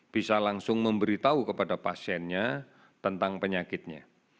bisa langsung memberi tahu kepada pasiennya tentang penyakitnya